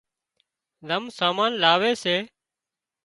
زم سامان لاوي سي